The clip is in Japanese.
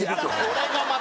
これがまたね！